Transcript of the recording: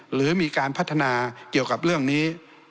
หรือมีการพัฒนาเกี่ยวกับเรื่องนี้